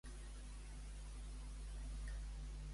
Podré acariciar, sentir i aprendre sobre diferents tipus d'animals.